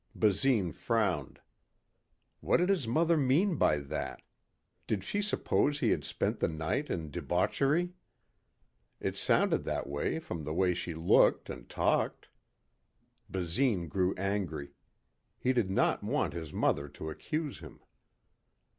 Basine frowned. What did his mother mean by that? Did she suppose he had spent the night in debauchery? It sounded that way from the way she looked and talked. Basine grew angry. He did not want his mother to accuse him.